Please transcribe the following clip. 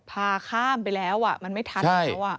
พาข้ามไปแล้วมันไม่ทันแล้ว